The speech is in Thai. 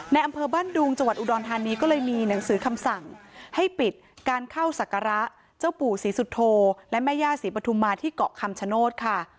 อำเภอบ้านดุงจังหวัดอุดรธานีก็เลยมีหนังสือคำสั่งให้ปิดการเข้าศักระเจ้าปู่ศรีสุโธและแม่ย่าศรีปฐุมมาที่เกาะคำชโนธค่ะ